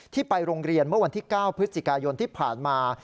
ไปโรงเรียนเมื่อวันที่๙พฤศจิกายนที่ผ่านมา